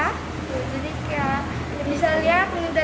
jadi kayak bisa lihat dari negara